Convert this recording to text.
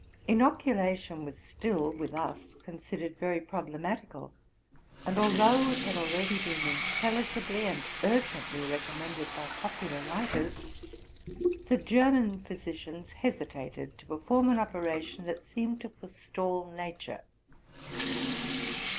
Inoculation was still with us considered very problematical ; and, although it had already been intelligibly and urgently recommended by popular writers, the German physicians hesitated to perform an operation that seemed to forestall! Nature.